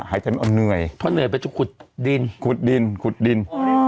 หายใจไม่เอาเหนื่อยเพราะเหนื่อยไปจุดขุดดินขุดดินขุดดินอ๋อ